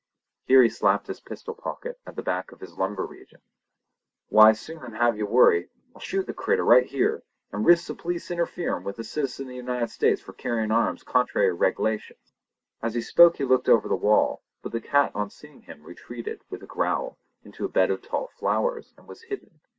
Here he slapped his pistol pocket at the back of his lumbar region. "Why sooner'n have you worried, I'll shoot the critter, right here, an' risk the police interferin' with a citizen of the United States for carryin' arms contrairy to reg'lations!" As he spoke he looked over the wall, but the cat on seeing him, retreated, with a growl, into a bed of tall flowers, and was hidden.